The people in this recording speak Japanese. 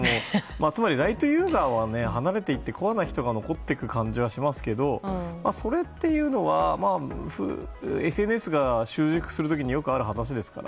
つまりライトユーザーは離れて行ってコアな人が残っていく気がしますけどそれっていうのはＳＮＳが習熟する時によくある話ですから。